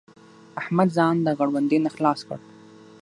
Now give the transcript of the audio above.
احمد ځان د غړوندي نه خلاص کړ.